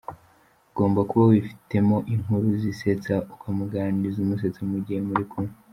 Ugomba kuba wifitemo inkuru zisetsa ukamuganiriza umusetsa mu gihe muri kumwe;.